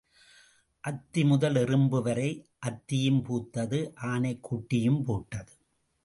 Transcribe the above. அத்தி முதல் எறும்பு வரை அத்தியும் பூத்தது ஆனை குட்டியும் போட்டது.